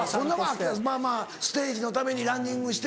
まぁまぁステージのためにランニングして。